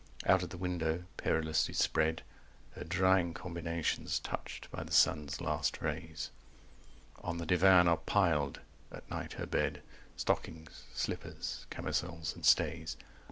Out of the window perilously spread Her drying combinations touched by the sun's last rays, 225 On the divan are piled (at night her bed) Stockings, slippers, camisoles, and stays.